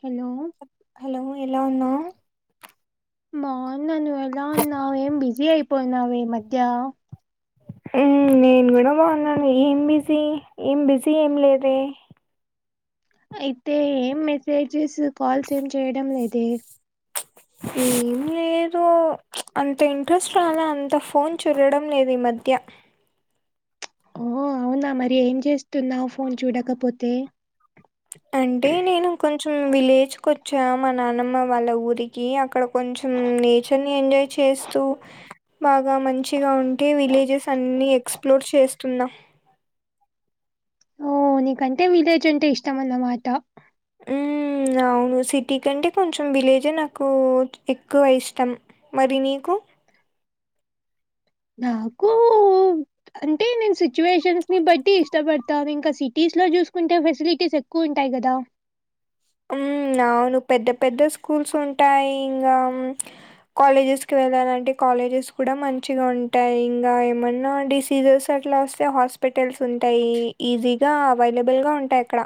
Hello hello ఎలా ఉన్నావ్ బాగున్న నువ్వు ఎలా ఉన్నావ్ ఏం బిజీ అయిపోయినవే ఈ మధ్య హ్మ్ నేను కూడా బాగున్నాను ఏం బిజీ ఏం బిజీ ఏం లేదుే అయితే ఏం మెసేజెస్ కాల్స్ ఏం చేయడం లేదే ఏం లేదు ఆ అంత ఇంట్రెస్ట్ రాలా అంత ఫోన్ చూడరడం లేదు ఈ మధ్య హు అవునా మరి ఏం చేస్తున్నావ్ మరి ఫోన్ చూడకపోతే. అంటే నేను కొంచెం విలేజ్ కు వచ్చా మా నానమ్మ వాళ్ళ ఊరికి అక్కడ. కొంచెం నేచర్ ని ఎంజాయ్ చేస్తూ బాగా మంచి. అఉంటే విలేజెస్ అన్ని ఎక్స్ప్లోర్ చేస్తున్నా. హు నీకంటే విలేజ్ అంటే ఇష్టం అన్నమాట. హు అవును సిటీ కంటే కొంచెం విలేజే నాకు ఎక్కువ ఇష్టం. మరి నీకు నాకు అంటే నేను సిచ్యువేషన్స్ ని బట్టి ఇష్టపడతాను ఇంకా సిటీస్ లో చూసుకుంటే ఫెసిలిటీస్ ఎక్కువ ఉంటాయి కదా! ఉ అవును పెద్ద పెద్ద స్కూల్స్ ఉంటాయి ఇంకా కాలేజెస్ కి వెళ్ళాలంటే కాలేజెస్ కూడా మంచిగా ఉంటాయి ఇంకా ఏమైన్నా డిసీజెస్ అట్లా వస్తే హాస్పిటల్స్ ఉంటాయి. ఈజీగా అవైలబుల్ గా ఉంటాయి. అక్కడ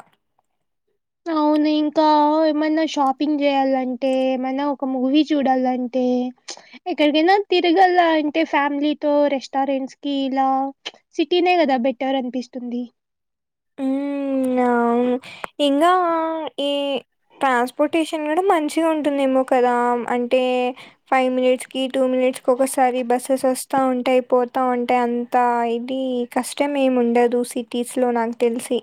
అవును ఇంకా ఏమన్నా షాపింగ్ చేయాలంటే ఏమన్నా ఒక మూవీ చూడాలంటే ఏ చ్ ఎక్కడికైనా తిరగలా అంటే ఫ్యామిలీతో రెస్టారెంట్స్ కి ఇలా సిటీనే కదా బెటర్ అనిపిస్తుంది. హ్మ్. అవును ఇంకా ఈ ట్రాన్స్పోర్టేషన్ కూడా మంచిగా ఉంటుందేమో కదా అంటే ఫైవ్ మినిట్స్ కి టూ మినిట్స్ కి ఒకసారి బస్సెస్ వస్తా ఉంటాయి పోతా ఉంటాయి అంత ఇది కష్టం ఏమి ఉండదు సిటీస్లో నాకు తెలిసి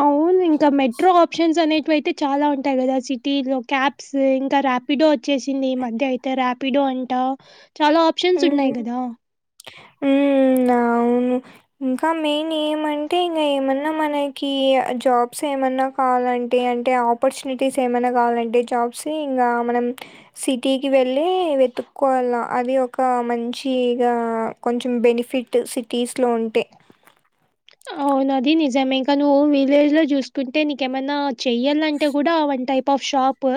అవున్ ఇంకా మెట్రో ఆప్షన్స్ అనేటివయితే చాలా ఉంటాయి కదా సిటీస్ లో క్యాబ్స్ ఇంకా రాప్ ర్యాపిడో వచ్చేసింది ఈ మధ్య అయితే ర్యాపిడో అంటా చాలా ఆప్షన్స్ ఉన్నాయి కదా ఉ అవును ఇంక మెయిన్ గ ఏమంటే ఇంక ఏమన్నా మనకి జాబ్స్ ఏమన్నా కావాలంటే అంటే ఆపర్చునిటీస్ ఏమైనా కావాలంటే జాబ్సి ఇంగ మనం సిటీకి వెళ్ళి వెతుక్కోవాల్ల అది ఒక క ఒక మంచిగా కొంచెం బెనిఫిట్ సిటీస్లో ఉంటే అవునది నిజమే ఇంకా నువ్వు విలేజ్ లో చూసుకుంటే నీకేమన్నా చెయాలంటే కూడా one type of shop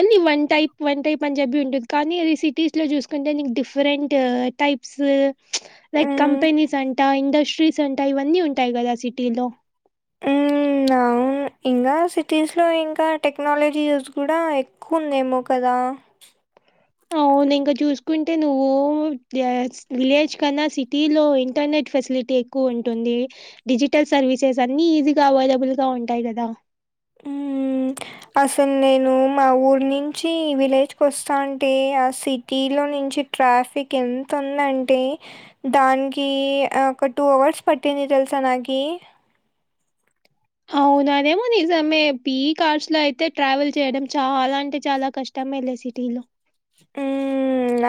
only one type one type Punjabi ఉంటుంది కానీ అది సిటీస్లో చూసుకుంటే నీకు డిఫరెంట్ టైప్స్ చ్ లైక్ హ్మ్. కంపెనీస్ అంట ఇండస్ట్రీస్ అంటా ఇవన్నీ ఉంటాయి గదా సిటీస్లో మ్ అవును ఇంగ సిటీస్లో ఇంకా టెక్నాలజీస్ కూడా ఎ ఉందేమో కదా అవును ఇంక జూసుకుంటే నువ్వు విలేజ్ కన్నా సిటీ లో ఇంటర్నెట్ ఫెసిలిటీ ఎ ఎక్కువ ఉంటుంది డిజిటల్ సర్వీసెస్ అన్ని ఈజీగ అన్ని అవెలబుల్ గా ఉంటాయి. కదా హ్మ్. అసలు నేను మా ఊరు నుంచి విలేజ్కివోస్థాంటే ఆ సిటీలో నుంచి ట్రాఫిక్ ఎంత ఉందంటే దానికి ఒక టూ అవర్స్ పట్టింది తెలుసా నాకీ అవునాదేమో నిజమే పి కార్స్ లో అయితే ట్రావెల్ చేయడం చాలా అంటే చాలా కష్టం ఎమ్మెల్యే సిటీలో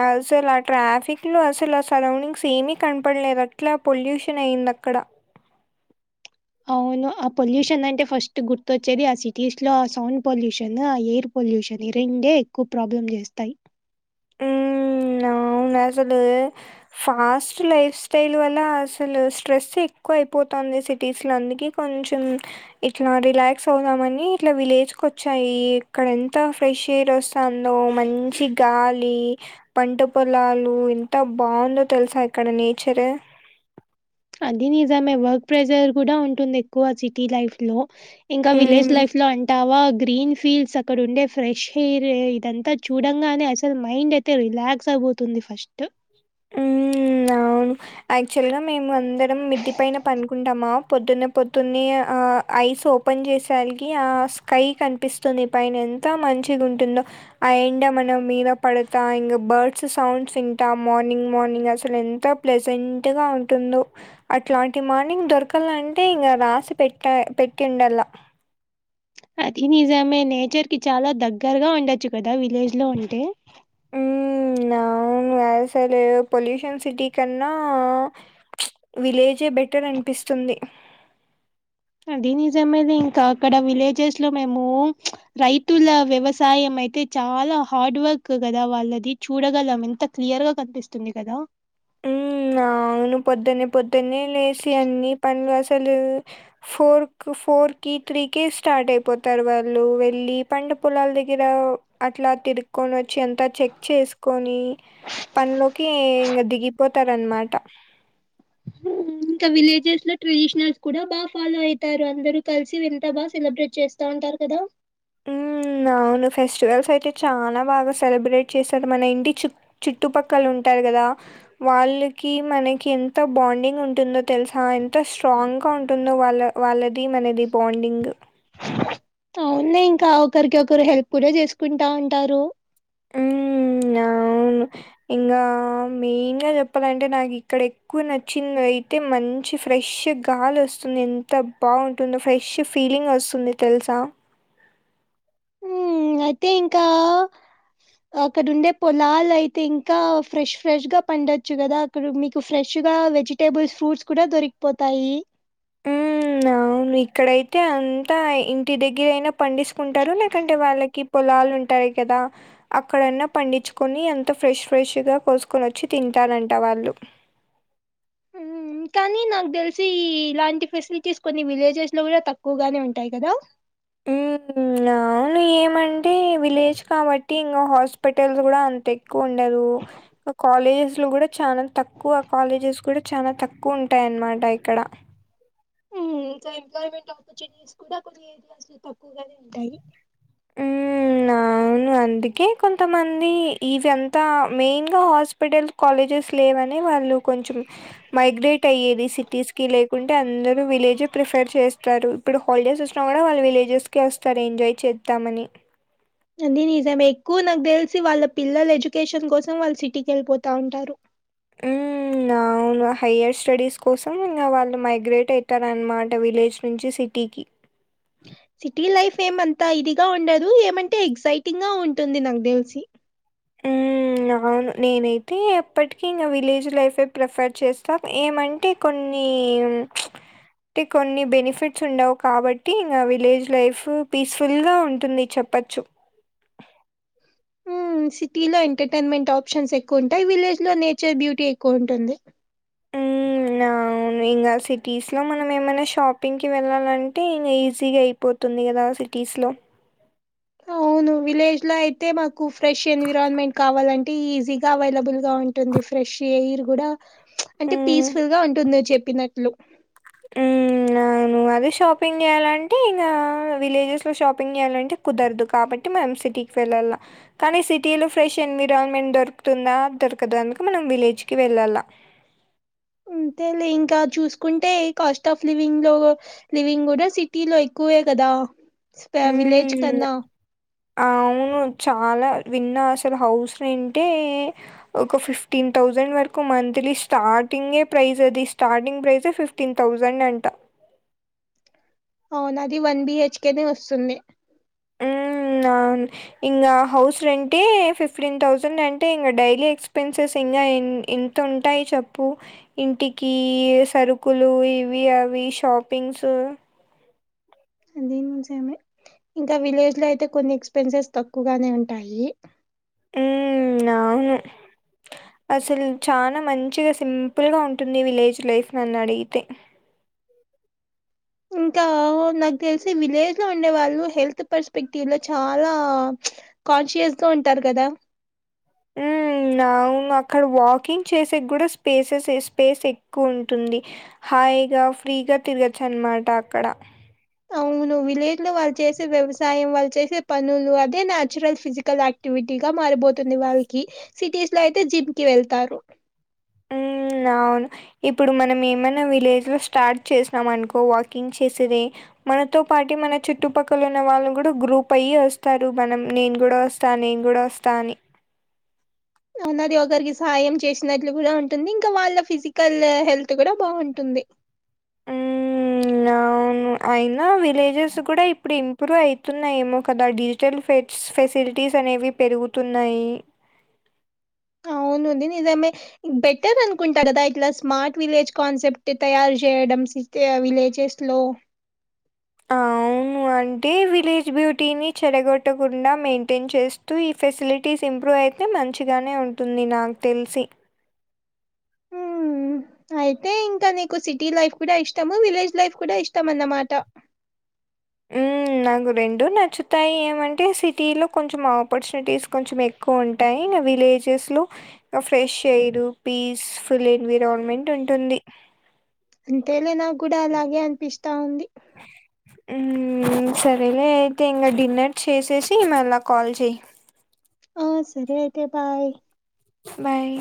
ఉ అసలు ఆ ట్రాఫిక్ లో అసలు ఆ సరౌండింగ్స్ ఏమీ కనపడలేదు అట్లే పొల్యూషన్ అయ్యంది అక్కడ అవును ఆ పొల్యూషన్ అంటే ఫస్ట్ గుర్తొచ్చేది ఆ సిటీస్ లో ఆ సౌండ్ పొల్యూషన్ ఆ ఎయిర్ పొల్యూషన్ ఈ రెండే ఎక్కువ ప్రాబ్లమ్ చేస్తాయి అవునసలు ఫాస్ట్ లైఫ్ స్టైల్ వల్ల అసలు స్ట్రెస్ ఎక్కువ అయిపోతుంది సిటీస్ లో అందుకే కొంచెం ఇట్లా రిలాక్స్ అవుదామని ఇట్లా విలేజ్ కు వచ్చాయి ఇక్కడ ఎంత ఫ్రెష్ ఎయిర్ వస్ తాందో మంచి గాలి లీ పంట పొలాలు ఎంత బావుందో తెలుసా ఇక్కడ నేచర్ అది నిజమే వర్క్ ప్రెజర్ కూడా ఉంటుంది ఎక్కువ సిటీ లైఫ్ లో ఇంకా విలేజ్ హ్మ్. లైఫ్ లో అంటావా గ్రీన్ ఫీల్డ్స్ ఇక్కడ ఉండే ఫ్రెష్ ఎయిర్ ఇదంతా చూడంగానే అసలు మైండ్ అయితే రిలాక్స్ అవ్పోతుంది ఫస్ట్ హ్మ్. అవును యాక్చువల్ గా మేము అందరం మిద్దె పైన పనుకుంటామా పొద్దున్న పొద్దున్నే ఆ ఐస్ ఓ ఓపెన్ చేసరికి ఆ స్కై కనిపిస్తుంది పైన ఎంత మంచిగుంటుందో ఆ ఎండ మనం మీద పడతా ఇంగా బర్డ్స్ సౌండ్స్ వింటాం మార్నింగ్ మార్నింగ్ అసలు ఎంత ప్లెజెంట్గా ఉంటుందో అట్లాంటి మార్నింగ్ దొరకాలంటే ఇంగ రాసిపెట్ట పెట్టూండాల అది నిజమే నేచర్ కి చాలా దగ్గరగా ఉండొచ్చు కదా విలేజ్ లో ఉంటే నా అవును అసలు పొల్యూషన్ సిటీ కన్న చ్ విలేజే బెటర్ అనిపిస్తుంది అది నిజమేలే ఇంకా అక్కడ విలేజెస్ లో మేము చ్ రైతుల వ్యవసాయం అయితే చాలా హార్డ్ వర్క్ గదా వాళ్ళది చూడగలం ఎంత క్లియర్ గా కనిపిస్తుంది కదా ఉ అవును పొద్దున్నే పొద్దున్నే లేసి అన్ని పనులు అసలు ఫోర్ కు ఫోర్కి త్రీకి స్టార్ట్ అయిపోతారు వాళ్ళు వెళ్ళి పంట పొలాల దగ్గర అట్లా తిరుక్కొనివచ్చి అంతా చెక్ చేసుకొని పనిలోకి ఇంగ దిగి పోతారన్మాట హు ఇంకా విలేజెస్ లో ట్రెడిషనల్స్ కూడా బాగా ఫాలో అయితారు అందరు కలిసి వెంత బాగా సెలబ్రేట్ చేస్ త అంటారు కదా ఉ అవును ఫెస్టివల్స్ అయితే చానా బాగా సెలబ్రేట్ చేశారు మన ఇంటి చు చుట్టుపక్కల ఉంటారు గదా వాళ్ళకి మనకి ఎంత బాండింగ్ ఉంటుందో తెలుసా ఎంత స్ట్రాంగ్ గా ఉంటుందో వాళ్ళ వాళ్ళది మనది బాండింగ్ అవున్లే ఇంకా ఒకరికి ఒకరు హెల్ప్ కూడా చేసుకుంటా ఉంటారు హ్మ్ అవును ఇంగా మెయిన్ గా చెప్పాలంటే నాకు ఇక్కడ ఎక్కువ నచ్చింది అయితే మంచి ఫ్రెష్ గాలి వస్తుంది ఎంత బాగుంటుందో ఫ్రెష్ ఫీలింగ్ వస్తుంది తెలుసా ఉ అయితే ఇంకా అక్కడ ఉండేపొలాలు అయితే ఇంకా ఫ్రెష్ ఫ్రెష్ గా పండొచ్చు కదా ఇక్కడ మీకు ఫ్రెష్ గా వెజిటేబుల్స్ ఫ్రూట్స్ కూడా దొరికిపోతాయి ఆవును ఇక్కడైతే అంతా ఇంటి దగ్గరయినా పండిస్కుంటారు లేకంటే వాళ్ళకి పొలాలుంటాయి కదా అక్కడన్న పండిచుకొని అంత ఫ్రెష్ ఫ్రెష్గా కోసుకొని ఒచ్చి తింటారంట వాళ్ళు మ్ కానీ నాగ్ తెలిసీ ఇలాంటి ఫెసిలిటీస్ కొన్ని విలేజెస్లో గుడా తక్కువగానే ఉంటాయి కదా మ్ ఆవును ఏమంటే విలేజ్ కాబట్టి ఇంగ హాస్పిటల్స్ గుడా అం ఎక్కువ ఉండదూ కాలేజెస్ లో కడా చాన తక్కు కువ కాలేజెస్ కూడా చాలా తక్కువ ఉంటాయన్నమాట ఇక్కడ ఇంకా ఎంప్లాయ్మెంట్ ఆపర్చునిటీస్ కూడా కొన్ని ఏరియాస్ లో తక్కువగానే ఉంటాయి మ్ అందుకే కొంతమందీ ఇవింతా మెయిన్ గా హాస్పిటల్స్ కాలేజెస్ లేవని వాళ్ళు కొంచెం మైగ్రేట్ అయ్యేది సిటీస్ కి లేకుంటే అందరూ విలేజె ప్రిఫర్ చేస్తారు ఇప్పుడు హాలిడేస్ వచ్చిన కూడా వాళ్ళు విలేజస్కె ఒస్తరు ఎంజాయ్ చేద్దామని అది నిజమే ఎక్కువ నాకు తెలిసి వాళ్ళ పిల్లలు ఎడ్యుకేషన్ కోసం వాళ్ సిటీకి వెళ్ళిపోతా ఉంటారు మ్ ఆవును హయ్యర్ స్టడీస్ కోసం ఇంగ వాళ్ళు మైగ్రేట్ ఐతరన్మాట విలేజ్ నుంచి సిటీకి సిటీ లైఫ్ ఏమంతా ఇదిగా ఉండదు ఏమంటే ఎగ్జైటింగ్గా ఉంటుంది నాక్ తెలిసి ఆవును నేనైతే ఎప్పటికీ ఇంగ విలేజ్ లైఫే ప్రిఫర్ చేస్తా ఏమంటే కొన్నీ టి కొన్ని బెనిఫిట్స్ ఉండవు కాబట్టి ఇంగ విలేజ్ లైఫ్ పీస్ఫుల్ గా ఉంటుంది చెప్పొచ్చు మ్ సిటీలో ఎంటర్టైన్మెంట్ ఆప్షన్స్ ఎక్కువ ఉంటాయ్ విలేజ్ లో నేచర్ బ్యూటీ ఎక్కువ ఉంటుంది నావును ఇంగ సిటీస్ లో మనం ఏమైనా షాపింగ్కి వెళ్ళాలంటే ఇంగ ఈజీగా అయి పోతుంది గదా సిటీస్లో ఔను విలేజ్ లో అయితే మాకు ఫ్రెష్ ఎన్విరాన్మెంట్ కావాలంటే ఈజీగా అవైలబుల్ గా ఉంట్ టుంది ఫ్రెష్ ఎయిర్ కూడా అంటే హ్మ్. పీస్ఫుల్ గా ఉంటుంద్ నువ్ చెప్పినట్లు మ్ అవును అదే షాపింగ్ జేయాలంటే ఇంకా విలేజెస్లో షాపింగ్ చేయాలంటే కుదర్దు కాబట్టి మనం సిటీక్ వెళ్ళాల కానీ సిటీలో ఫ్రెష్ ఎన్విరాన్మెంట్ దొరుకుతుందా దొరకదు అందుకె మనం విలేజ్కి వెళ్ళాలా అంతే లే ఇంకా చూసుకుంటే కాస్ట్ ఆఫ్ లివింగ్ లో లివింగ్ గుడా సిటీ లో ఎక్కువే కదా స్పా విలేజ్ హ్మ్. కన్నా అవును చాలా విన్నా అసలు హౌస్ రెంటే ఒక ఫిఫ్టీన్ థౌజండ్ వరకు మంత్లీ స్టార్టింగే ప్రైస్ అది స్టార్టింగ్ ప్రైజే ఫిఫ్ట్ తిన్ థౌసండ్ అంటా అవున అది వన్ బిహెచ్కేనే ఒస్తుంది మ్ ఆవున్ ఇంగా హౌస్ రెంటే ఫిఫ్టీన్ థౌసండ్ అంటే ఇంగ డైలీ ఎక్స్పెన్సెస్ ఇంగా ఎన్ ఇ ఉంటాయ్ చెప్పు ఇంటికీ సరుకులు ఇవి అవి షాపింగ్స్ ఇదీ నిజమే ఇంకా విలేజ్ లో అయితే కొన్ని ఎక్స్పెన్సెస్ తక్కువగానే ఉంటాయీ మ్ అవును అసల్ చాన మంచిగ సింపుల్ గ ఉంటుంది విలేజ్ లైఫ్ నన్ అడిగితే ఇంకా నాకు తెలిసి విలేజ్ లో ఉండే వాళ్ళు హెల్త్ పర్స్పెక్టివ్ లో చాలా కాన్షియస్ గా ఉంటారు కదా ఉ ఉనా అక్కడ వాకింగ్ చేసేకి కూడా స్పేసెస్ స్పేస్ ఎక్కువ ఉంటుంది హాయిగా ఫ్రీగా తిరగొచ్చు అనమాట అక్కడ అవునువు విలేజ్ లో వాళ్ళు చేసే వ్యవసాయం వాళ్ళు చేసే పనులు అదే నేచురల్ ఫిజికల్ యాక్ క్టివిటీగా మారిపోతుంది వాళ్ళకి సిటీస్ లో అయితే జిమ్ కి వెళ్తారు ఉ అవును ఇప్పుడు మనం ఏమైనా విలేజ్ లో స్టార్ట్ చేసినాం అనుకో వాకింగ్ చేసేది మనతో పాటు మన చుట్టుపక్కల ఉన్న వాళ్ళు కూడా గ్రూప్ అయి వస్తారు మనం నేను కూడా వస్ తానే నేను కూడా వస్తా అని అన్నది ఒకరికి సాయం చేసినట్లు కూడా ఉంటుంది ఇంకా వాళ్ళ ఫిజికల్ హెల్త్ కూడా బాగుంటుంది ఉ అవును అయినా విలేజెస్ కూడా ఇప్పుడు ఇన్ ఇంకా ఎట్లున్నాయో ఏమో కదా డిజిటల్ ఫెట్స్ ఫెసిలిటీస్ అనేవి పెరుగుతున్నాయి అవును అది నిజమే బెటర్ అనుకుంటా కదా ఇట్లా స్మార్ట్ విలేజ్ కాన్సెప్ట్ తయారు చేయడంస్ ఇలా విలేజెస్ లో ఉ అంటే విలేజ్ బ్యూటీని చెడగొట్టకుండా మెయింటైన్ చేస్తూ ఫెసిలిటీస్ ఇంప్రూవ్ అయితే మంచిగానే ఉంటుంది నాకు తెలిసి ఉ అయితే ఇంకా నీకు సిటీ లైఫ్ కూడా ఇష్టము విలేజ్ లైఫ్ కూడా ఇష్టం అన్నమాట ఉ నాకు రెండు నచ్చుతాయి ఏమంటే సిటీలో కొంచెం ఆపర్చునిటీస్ కొంచెమే ఎక్కువ ఉంటాయి ఇంగ విలేజెస్ లో ఆ fresh air, peaceful environment ఉంటుంది అంతేలె నాకు కూడా అలాగే అనిపిస్తా ఉంది ఉ ఉ సరేలే అయితే ఇంగ డిన్నర్ చేసేసి మళ్ళ కాల్ చెయ్యి ఆ సరే అయితే బాయ్ బాయ్